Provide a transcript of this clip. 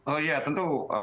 oh ya tentu